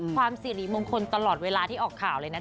ความสิริมงคลตลอดเวลาที่ออกข่าวเลยนะจ